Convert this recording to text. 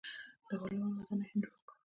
د پارلمان ودانۍ هند جوړه کړه.